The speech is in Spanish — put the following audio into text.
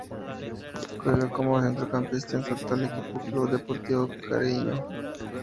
Juega como centrocampista en su actual equipo Club Polideportivo Cacereño.